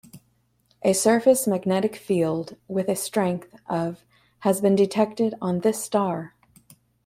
A surface magnetic field with a strength of has been detected on this star.